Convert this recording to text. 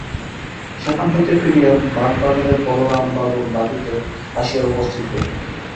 সেখান হইতে ফিরিয়া বাগবাজারে বলরাম বাবুর বাটীতে আসিয়া উপস্থিত হইলেন।